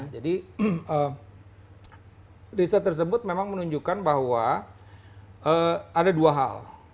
jadi riset tersebut memang menunjukkan bahwa ada dua hal